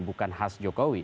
bukan khas jokowi